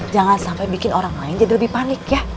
jangan sampai bikin orang lain jadi lebih panik ya